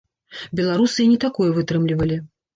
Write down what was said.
Беларусы і не такое вытрымлівалі.